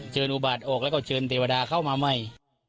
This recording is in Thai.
เชื่อมอุบาทออกแล้วก็เชื่อมติวดาเข้ามาไหม